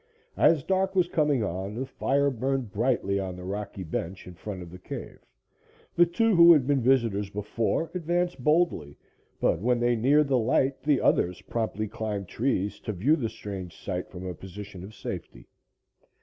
As dark was coming on, the fire burned brightly on the rocky bench in front of the cave. The two who had been visitors before advanced boldly, but when they neared the light, the others promptly climbed trees to view the strange sight from a position of safety.